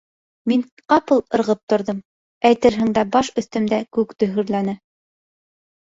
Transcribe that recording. Мин ҡапыл ырғып торҙом, әйтерһең дә баш өҫтөмдә күк дөһөрләне.